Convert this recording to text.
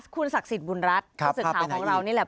คุณศักดิ์สิทธิ์บุญรัฐภาษาของเรานี่แหละ